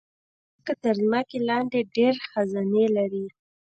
مځکه تر ځمکې لاندې ډېر خزانے لري.